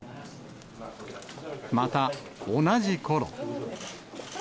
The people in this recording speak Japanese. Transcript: また、同じころ。